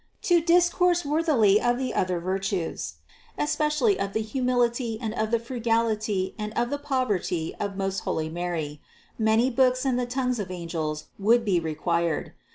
591. To discourse worthily of the other virtues, es pecially of the humility and of the frugality and of the poverty of most holy Mary, many books and the tongues of angels would be required.